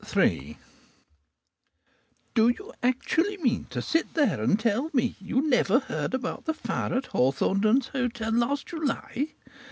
III Do you actually mean to sit there and tell me you never heard about the fire at Hawthornden's Hotel last July?